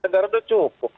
negara udah cukup